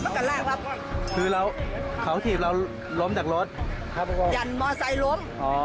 มันก็รากครับคือเราเขาถีบเราล้มจากรถครับอย่างมอเซย์ล้มอ๋อ